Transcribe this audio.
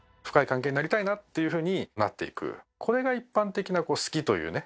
これが一般的な「好き」というね